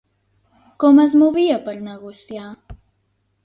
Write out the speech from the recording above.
Com es movia per negociar?